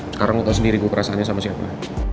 sekarang lo tau sendiri gue perasaannya sama siapa